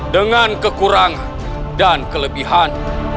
dengan kekurangan dan kelebihan